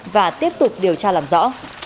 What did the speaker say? và tiếp tục điều tra làm rõ